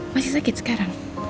masih sakit sekarang